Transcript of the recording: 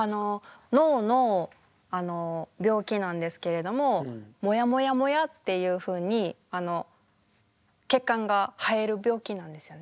脳の病気なんですけれどももやもやもやっていうふうにあの血管が生える病気なんですよね。